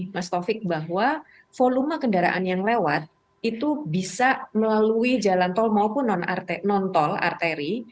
mas taufik bahwa volume kendaraan yang lewat itu bisa melalui jalan tol maupun non tol arteri